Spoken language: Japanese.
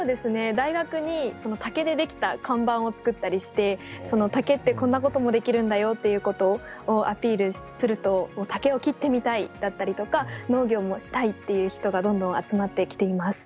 大学に竹で出来た看板を作ったりして竹ってこんなこともできるんだよっていうことをアピールすると竹を切ってみたいだったりとか農業もしたいっていう人がどんどん集まってきています。